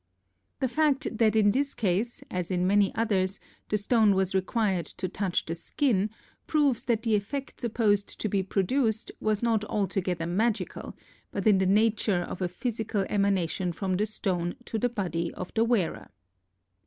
The fact that in this case, as in many others, the stone was required to touch the skin, proves that the effect supposed to be produced was not altogether magical, but in the nature of a physical emanation from the stone to the body of the wearer.